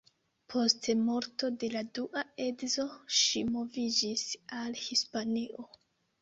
Post morto de la dua edzo ŝi moviĝis al Hispanio.